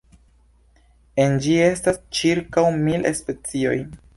En ĝi estas ĉirkaŭ mil specioj.